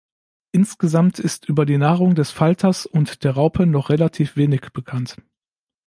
Insgesamt ist über die Nahrung des Falters und der Raupen noch relativ wenig bekannt.